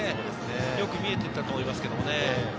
よく見えていたと思いますけどね。